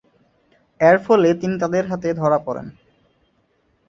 এরফলে তিনি তাদের হাতে ধরা পড়েন।